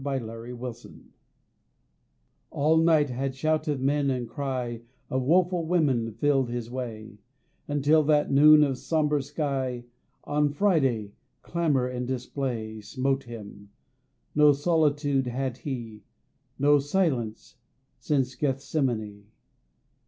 EASTER NIGHT All night had shout of men and cry Of woeful women filled His way; Until that noon of sombre sky On Friday, clamour and display Smote Him; no solitude had He, No silence, since Gethsemane.